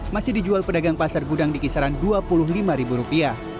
masih dijual pedagang pasar gudang di kisaran rp dua puluh lima